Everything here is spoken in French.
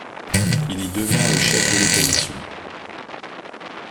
Il y devient le chef de l'opposition.